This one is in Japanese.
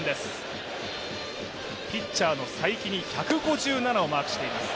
ピッチャーの才木に１５７をマークしています。